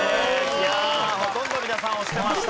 いやほとんど皆さん押してました。